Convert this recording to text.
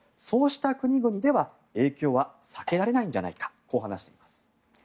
そうした国々では影響は避けられないんじゃないかこう話しています。